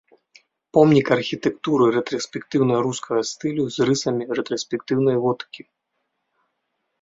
Помнік архітэктуры рэтраспектыўна-рускага стылю з рысамі рэтраспектыўнай готыкі.